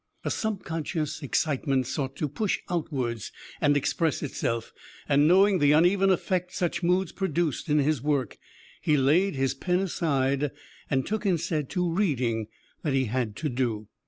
A subconscious excitement sought to push outwards and express itself ... and, knowing the uneven effect such moods produced in his work, he laid his pen aside and took instead to reading that he had to do.